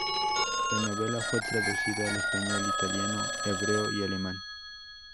La novela fue traducida al español, italiano, hebreo y alemán.